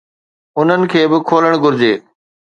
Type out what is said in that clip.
انهن کي به کولڻ گهرجي.